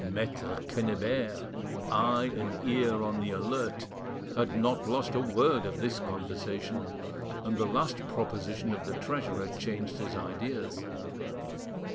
Maitre Quennebert, eye and ear on the alert, had not lost a word of this conversation, and the last proposition of the treasurer changed his ideas.